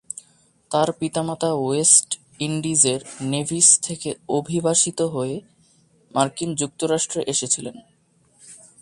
তার পিতামাতা ওয়েস্ট ইন্ডিজের নেভিস থেকে অভিবাসিত হয়ে মার্কিন যুক্তরাষ্ট্রে এসেছিলেন।